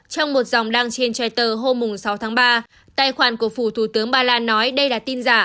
trong một dòng đăng trên twitter hôm sáu tháng ba tài khoản của phủ thủ tướng ba lan nói đây là tin giả